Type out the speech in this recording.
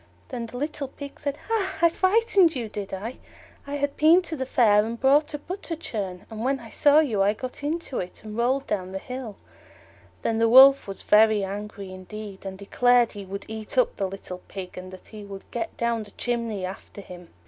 Then the little Pig said, "Hah! I frightened you, did I? I had been to the Fair and bought a butter churn, and when I saw you I got into it, and rolled down the hill." Then the Wolf was very angry indeed, and declared he would eat up the little Pig, and that he would get down the chimney after him.